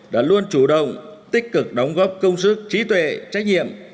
đã luôn chủ động tích cực đóng góp công sức trí tuệ trách nhiệm